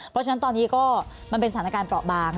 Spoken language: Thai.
เพราะฉะนั้นตอนนี้ก็มันเป็นสถานการณ์เปราะบาง